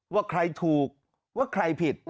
ว่าใครถูกว่าใครผิด